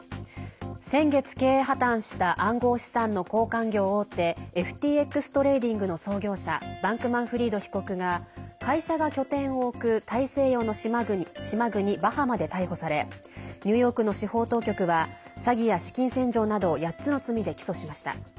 先月、経営破綻した暗号資産の交換業大手ＦＴＸトレーディングの創業者バンクマンフリード被告が会社が拠点を置く大西洋の島国バハマで逮捕されニューヨークの司法当局は詐欺や資金洗浄など８つの罪で起訴しました。